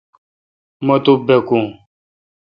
مہ تو باکو۔